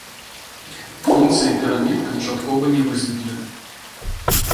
Функцыі пірамід канчаткова не высветлены.